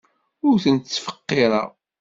Ur ten-ttfeqqireɣ.